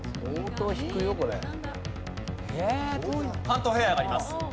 関東平野があります。